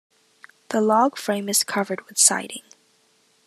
The log frame is covered with siding.